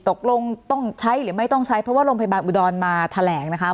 ตกลงต้องใช้หรือไม่ต้องใช้เพราะว่าโรงพยาบาลอุดรมาแถลงนะคะ